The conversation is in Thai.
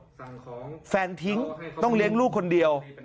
สั่งของแฟนทิ้งต้องเลี้ยงลูกคนเดียว